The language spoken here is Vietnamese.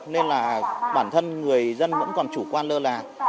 nên là bản thân người dân vẫn còn chủ quan lơ là